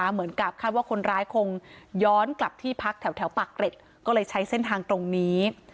เหมือนกับคาดว่าคนร้ายคงย้อนกลับที่พักแถวปากเกร็ดก็เลยใช้เส้นทางตรงนี้